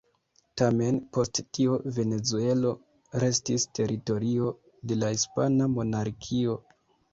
Tamen post tio Venezuelo restis teritorio de la hispana monarkio.